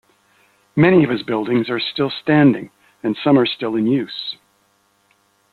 Many of his buildings are still standing and some are still in use.